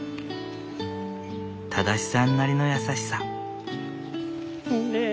正さんなりの優しさ。